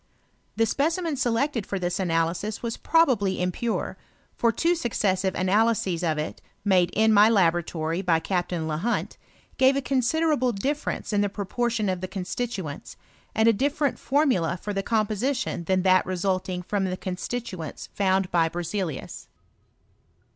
The specimen selected for this analysis was probably impure ; for two snccessive analyses of it, made in ray laboratory by Captain Lehunt, gave a considerable difference in the proportion of the constituents, and a different formula for the composition than that resulting from the constituents found by Berzelius.